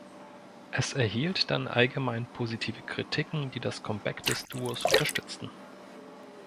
Es erhielt dann allgemein positive Kritiken, die das Comeback des Duos unterstützten.